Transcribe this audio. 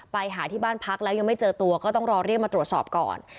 ไปหาที่บ้านพักแล้วยังไม่เจอตัวก็ต้องรอเรียกมาตรวจสอบก่อน